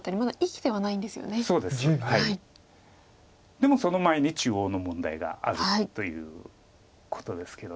でもその前に中央の問題があるということですけど。